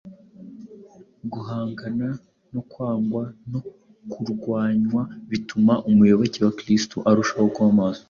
Guhangana no kwangwa no kurwanywa bituma umuyoboke wa Kristo arushaho kuba maso